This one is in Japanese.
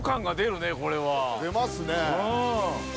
出ますね。